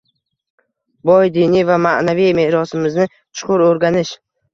Boy diniy va ma’naviy merosimizni chuqur o‘rganish